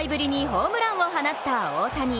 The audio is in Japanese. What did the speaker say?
昨日、５試合ぶりにホームランを放った大谷。